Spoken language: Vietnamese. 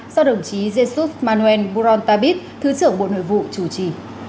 do đồng chí jesus manuel burontabit thứ trưởng bộ nội vụ chủ trì